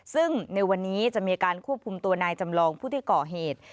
ซึ่งในวันนี้จะมีการควบคุมตัวนายจำลองผู้ที่ก่อเหตุ